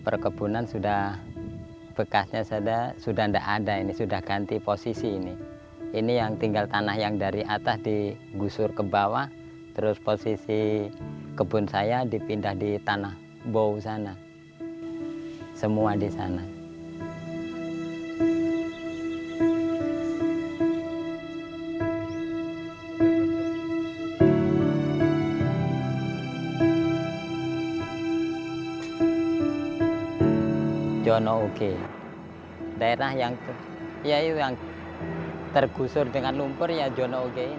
reski anggota basarnas asal gorontepan